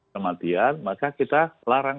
kematian maka kita larang